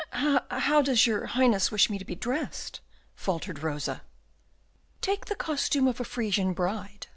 "How does your Highness wish me to be dressed?" faltered Rosa. "Take the costume of a Frisian bride."